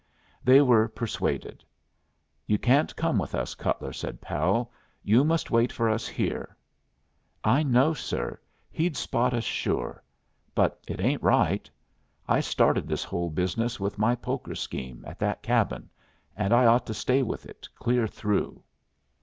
They were persuaded. "You can't come with us, Cutler," said Powell. "You must wait for us here." "I know, sir; he'd spot us, sure. But it ain't right. I started this whole business with my poker scheme at that cabin, and I ought to stay with it clear through."